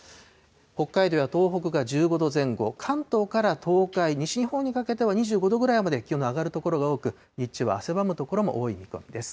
北海道や東北が１５度前後、関東から東海、西日本にかけては２５度ぐらいまで気温の上がる所が多く、日中は汗ばむ所も多い見込みです。